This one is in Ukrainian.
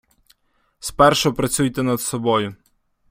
Спершу працюйте над собою.